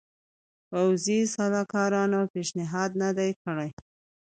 پوځي سلاکارانو پېشنهاد نه دی کړی.